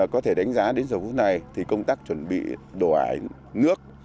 có thể đánh giá đến giờ phút này thì công tác chuẩn bị đổ ải nước